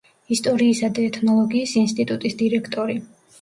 ისტორიისა და ეთნოლოგიის ინსტიტუტის დირექტორი.